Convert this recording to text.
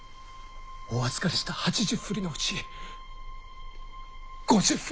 お預かりした８０振のうち５０振。